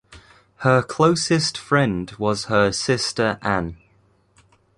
Her closest friend was her sister Anne.